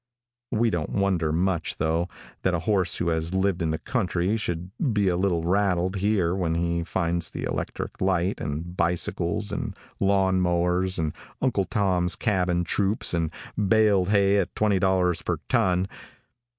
We don't wonder much, though, that a horse who has lived in the country should be a little rattled here when he finds the electric light, and bicycles, and lawn mowers, and Uncle Tom's Cabin troupes, and baled hay at $20 per ton.